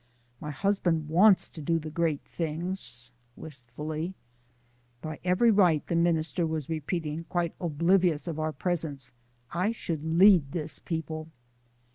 My husband WANTS to do the great things" wistfully. "By every right," the minister was repeating, quite oblivious of our presence, "I should lead these people."